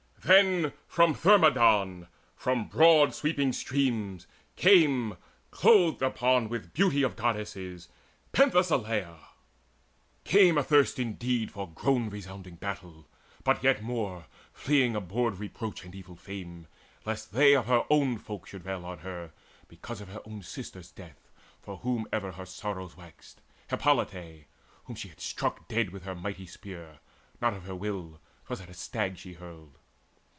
Then from Thermodon, from broad sweeping streams, Came, clothed upon with beauty of Goddesses, Penthesileia came athirst indeed For groan resounding battle, but yet more Fleeing abhorred reproach and evil fame, Lest they of her own folk should rail on her Because of her own sister's death, for whom Ever her sorrows waxed, Hippolyte, Whom she had struck dead with her mighty spear, Not of her will 'twas at a stag she hurled.